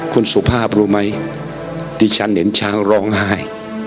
คุณสุภาพรู้ไหมที่ฉันเห็นช้างร้องไห้